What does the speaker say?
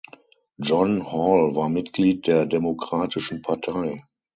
John Hall war Mitglied der Demokratischen Partei.